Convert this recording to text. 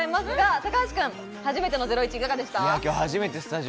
高橋君、初めての『ゼロイチ』いかがでした？